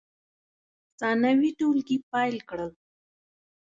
ثانوي ټولګي پیل کړل.